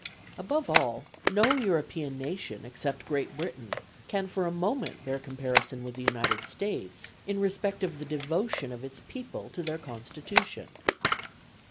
Above all, no European nation, except Great Britain, can for a moment bear comparison with the United States in respect of the devotion of its people to their Constitution.